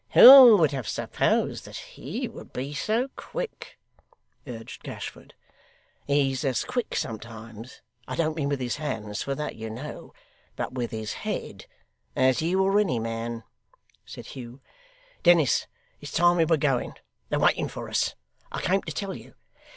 'Who would have supposed that HE would be so quick?' urged Gashford. 'He's as quick sometimes I don't mean with his hands, for that you know, but with his head as you or any man,' said Hugh. 'Dennis, it's time we were going; they're waiting for us; I came to tell you.